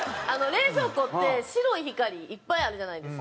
冷蔵庫って白い光いっぱいあるじゃないですか。